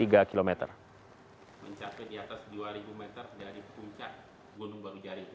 mencapai di atas dua ribu meter dari puncak gunung baru jari